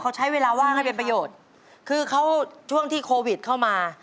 เขาใช้เวลาว่างให้เป็นประโยชน์คือเขาช่วงที่โควิดเข้ามา